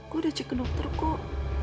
gue udah cek ke dokter kok